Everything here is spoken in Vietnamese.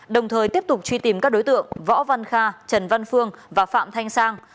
đồng thời tiếp tục truy tìm các đối tượng võ văn kha trần văn phương và phạm thanh sang